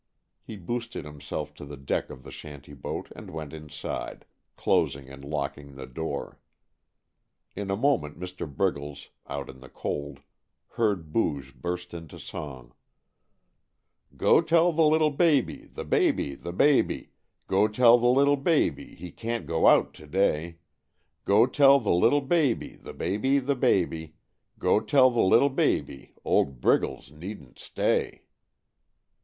He boosted himself to the deck of the shanty boat and went inside, closing and locking the door. In a moment Mr. Briggles, out in the cold, heard Booge burst into song: Go tell the little baby, the baby, the baby, Go tell the little baby he can't go out to day; Go tell the little baby, the baby, the baby, Go tell the little baby old Briggles needn't stay.